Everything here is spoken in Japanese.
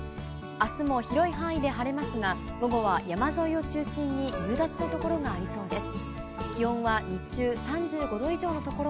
あすも広い範囲で晴れますが、午後は山沿いを中心に夕立の所がありそうです。